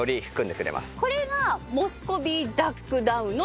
これがモスコビーダックダウンの特徴？